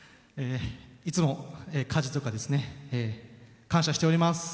いつも家事とか感謝しております。